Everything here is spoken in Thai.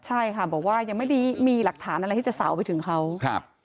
ใช่ค่ะบอกว่ายังไม่ได้มีหลักฐานอะไรที่จะสาวไปถึงเขาครับ